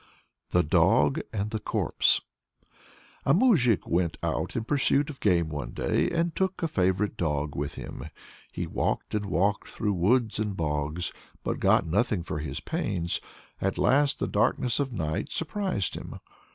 THE DOG AND THE CORPSE. A moujik went out in pursuit of game one day, and took a favorite dog with him. He walked and walked through woods and bogs, but got nothing for his pains. At last the darkness of night surprised him.